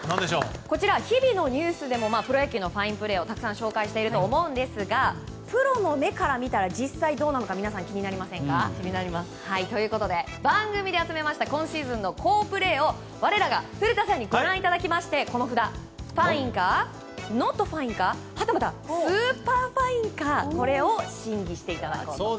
こちら、日々のニュースでもプロ野球のファインプレーをたくさん紹介していると思うんですがプロの目から見たら実際どうなのか皆さん、気になりませんか。ということで、番組で集めました今シーズンの好プレーを我らが古田さんにご覧いただきましてこの札、ファインかノットファインかはたまたスーパーファインかこれを審議していただこうと。